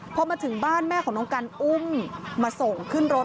พอมาถึงบ้านแม่ของน้องกันอุ้มมาส่งขึ้นรถ